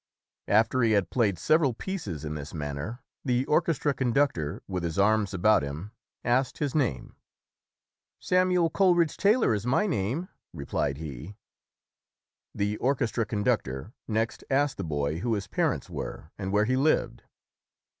After he had played several pieces in this man ner, the orchestra conductor with his arms about him asked his name. "Samuel Coleridge Taylor is my name", re plied he. The orchestra conductor next asked the boy who his parents were and where he lived.